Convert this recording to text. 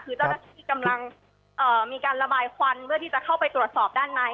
คือเจ้าหน้าที่กำลังมีการระบายควันเพื่อที่จะเข้าไปตรวจสอบด้านใน